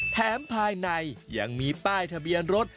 ภายในยังมีป้ายทะเบียนรถ